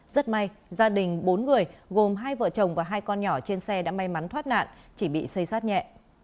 rất may gia đình bốn người gồm hai vợ chồng và hai con nhỏ trên xe đã may mắn thoát nạn chỉ bị xây sát nhẹ